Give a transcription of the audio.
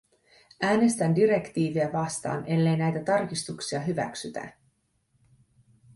Äänestän direktiiviä vastaan, ellei näitä tarkistuksia hyväksytä.